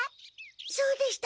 そうでした。